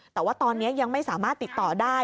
แต่ว่าตอนนี้ยังไม่สามารถติดต่อได้